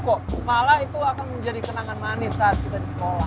kok malah itu akan menjadi kenangan manis saat kita di sekolah